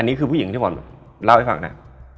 นี่คือผู้หญิงที่ผมเล่าให้ฟังนะ